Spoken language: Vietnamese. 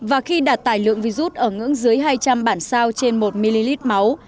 và khi đạt tài lượng virus ở ngưỡng dưới hai trăm linh bản sao trên một ml máu